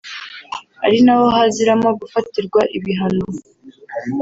ari naho haziramo gufatirwa ibihano